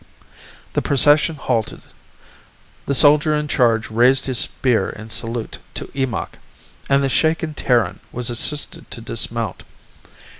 The procession halted, the soldier in charge raised his spear in salute to Eemakh, and the shaken Terran was assisted to dismount.